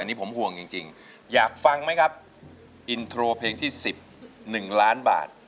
อันนี้ผมห่วงจริงอยากฟังไหมครับอินโทรเพลงที่๑๑ล้านบาท